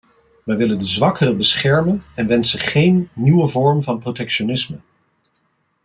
Wij willen de zwakkeren beschermen en wensen geen nieuwe vorm van protectionisme.